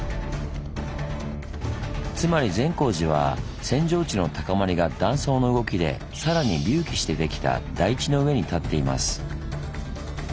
つまり善光寺は扇状地の高まりが断層の動きで更に隆起してできた台地の上に立っています。